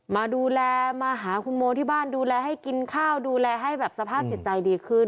มาดูแลมาหาคุณโมที่บ้านดูแลให้กินข้าวดูแลให้แบบสภาพจิตใจดีขึ้น